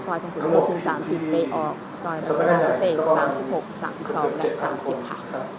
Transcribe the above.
เส้นทางที่สองค่ะแช่งออกซอยละศิลป์หัวเส้นตะห์๓๖๓๒และ๓๐ค่ะ